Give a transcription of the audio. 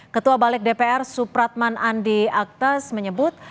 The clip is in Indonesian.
ketua balek dpr supratman andi aktas menyebut